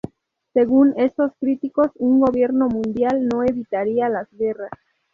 Según estos críticos, un gobierno mundial no evitaría las guerras.